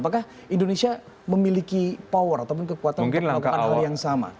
apakah indonesia memiliki power ataupun kekuatan untuk melakukan hal yang sama